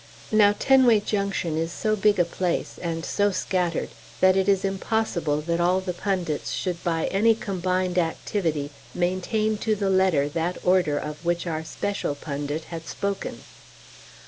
Now Tenway Junction is so big a place, and so scattered, that it is impossible that all the pundits should by any combined activity maintain to the letter that order of which our special pundit had spoken.